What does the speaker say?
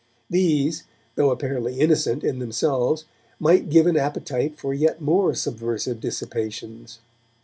These, though apparently innocent in themselves, might give an appetite for yet more subversive dissipations.